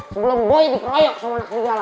sebelum boy dikeroyok sama anak kerigala